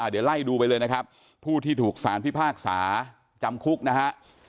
เดี๋ยวไล่ดูไปเลยนะครับผู้ที่ถูกสารพิพากษาจำคุกนะฮะ